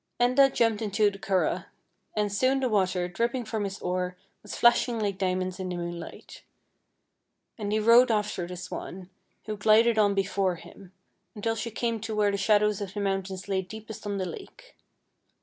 Enda jumped into the curragh, and soon the water, dripping from his oar, was flashing like diamonds in the moonlight. And he rowed after the swan, who glided on before him, until she came to where the shadows of the mountains lay deepest on the lake.